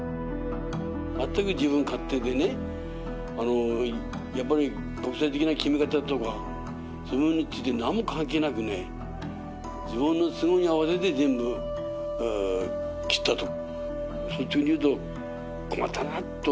全く自分勝手でね、やっぱり国際的な決め方とか、それについてなんも関係なくね、自分の都合に合わせて全部切ったと。